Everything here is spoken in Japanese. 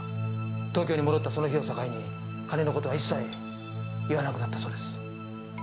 東京に戻ったその日を境に金の事は一切言わなくなったそうです。